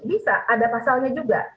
bisa ada pasalnya juga